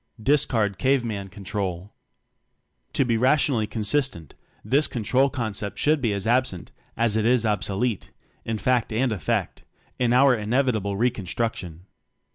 Discard Cave Man Control. To be rationally consistent this "control" concept should be as ab sent as it is obsolete (in fact and effect) in our inevitable reconstruc tion.